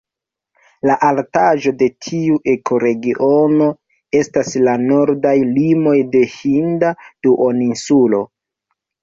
La altaĵoj de tiu ekoregiono estas la nordaj limoj de Hinda duoninsulo.